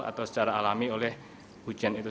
atau secara alami oleh hujan itu